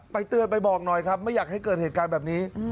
เตือนไปบอกหน่อยครับไม่อยากให้เกิดเหตุการณ์แบบนี้